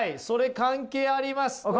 それ関係あります。